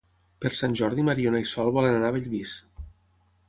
Per Sant Jordi na Mariona i en Sol volen anar a Bellvís.